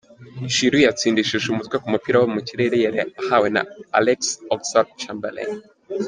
Giroud yatsindishije umutwe ku mupira wo mukirere yari ahawe na Alex Oxlade-Chamberlain.